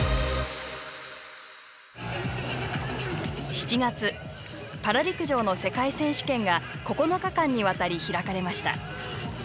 ７ 月、パラ陸上の世界選手権が９日間にわたり開かれました。